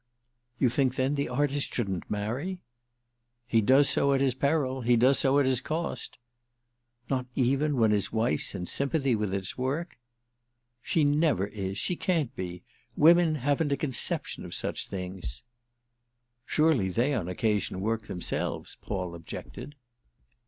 "You think then the artist shouldn't marry?" "He does so at his peril—he does so at his cost." "Not even when his wife's in sympathy with his work?" "She never is—she can't be! Women haven't a conception of such things." "Surely they on occasion work themselves," Paul objected.